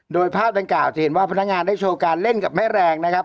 โดยภาพดังกล่าวจะเห็นว่าพนักงานได้โชว์การเล่นกับแม่แรงนะครับ